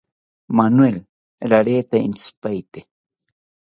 Manuel rareta intzipaete